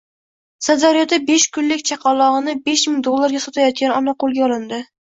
Sirdaryoda besh kunlik chaqalog‘inibeshming dollarga sotayotgan ona qo‘lga olindi